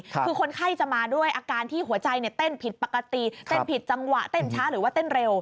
คือคนไข้จะมาด้วยอาการที่หัวใจเนี่ยเต้นผิดปกติเต้นผิดจังหวะเต้นช้าหรือว่าเต้นเร็ว